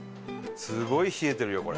すごい冷えてるよこれ。